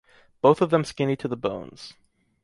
Both of them skinny to the bones.